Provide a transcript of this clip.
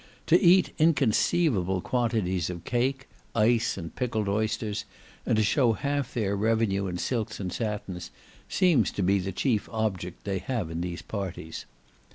To eat inconceivable quantities of cake, ice, and pickled oysters—and to show half their revenue in silks and satins, seem to be the chief object they have in these parties.